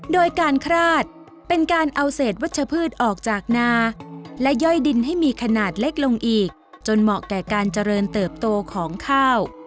โดยการคราดเป็นการเอาเศษวัชพืชออกจากนาและย่อยดินให้มีขนาดเล็กลงอีกจนเหมาะแก่การเจริญเติบโตของข้าว